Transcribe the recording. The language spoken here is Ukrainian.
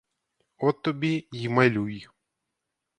От тобі й малюй!